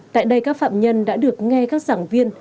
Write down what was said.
tại đây các phạm nhân đã được nghe các giảng viên